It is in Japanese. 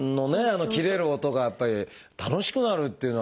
切れる音がやっぱり楽しくなるっていうのは。